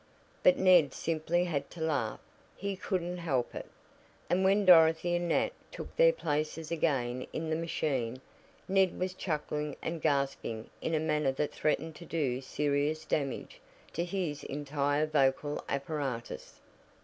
But Ned simply had to laugh he couldn't help it, and when Dorothy and Nat took their places again in the machine Ned was chuckling and gasping in a manner that threatened to do serious damage to his entire vocal apparatus.